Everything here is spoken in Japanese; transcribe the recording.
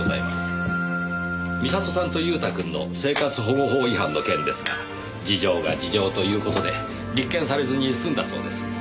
美里さんと祐太君の生活保護法違反の件ですが事情が事情という事で立件されずに済んだそうです。